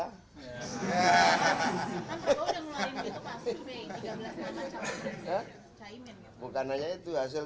kan prabowo udah ngeluarin gitu pas survey tiga belas lima sama cawapres